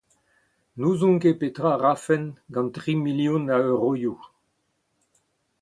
N'ouzon ket petra a rafen gant tri milion a euroioù.